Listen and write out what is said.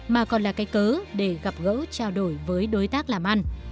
mà còn là cái cớ để gặp gỡ trao đổi với đối tác làm ăn